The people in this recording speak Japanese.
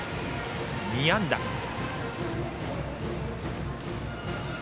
２安打です。